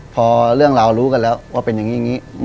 พอเรื่องราวรู้กันแล้วว่าเป็นอย่างนี้